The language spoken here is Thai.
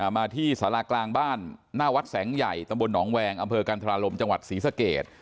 มาที่สารากลางบ้านหน้าวัดแสงใหญ่ตำบลหนองแวงอำเภอกันธราลมจังหวัดศรีสเกต